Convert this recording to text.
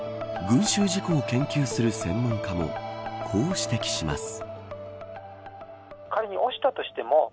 群衆事故を研究する専門家もこう指摘します。